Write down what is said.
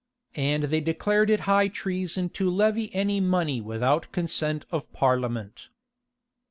And they declared it high treason to levy any money without consent of parliament.